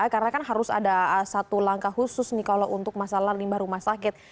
karena kan harus ada satu langkah khusus nih kalau untuk masalah limbah rumah sakit